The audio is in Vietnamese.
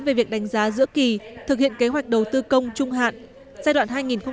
về việc đánh giá giữa kỳ thực hiện kế hoạch đầu tư công trung hạn giai đoạn hai nghìn một mươi sáu hai nghìn hai mươi